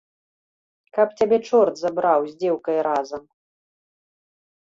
Каб цябе чорт забраў з дзеўкай разам.